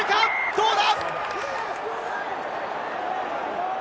どうだ？